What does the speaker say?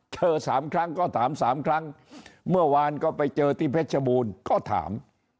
สามครั้งก็ถามสามครั้งเมื่อวานก็ไปเจอที่เพชรบูรณ์ก็ถาม